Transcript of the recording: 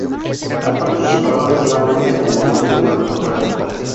Ha participado activamente en el negocio del narcotráfico.